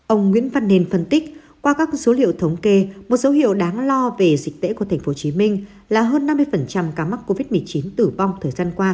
ông nguyễn văn nên phân tích qua các số liệu thống kê một dấu hiệu đáng lo về dịch tễ của tp hcm là hơn năm mươi phần